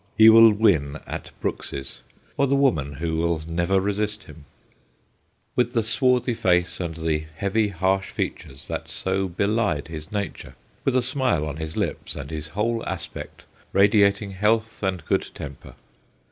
he will win at Brooks's, or the woman who will never resist him ; with the swarthy face and the heavy, harsh features that so belied his nature ; with a smile on his lips and his whole aspect radiating health and good temper.